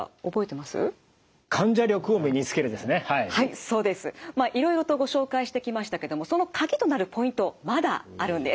まあいろいろとご紹介してきましたけどもその鍵となるポイントまだあるんです。